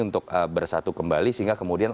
untuk bersatu kembali sehingga kemudian